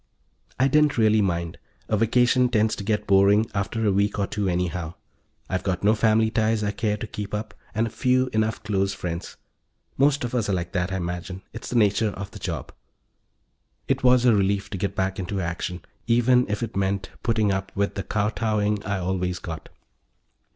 I didn't really mind: a vacation tends to get boring after a week or two anyhow. I've got no family ties I care to keep up, and few enough close friends. Most of us are like that; I imagine it's in the nature of the job. It was a relief to get back into action, even if it meant putting up with the kowtowing I always got.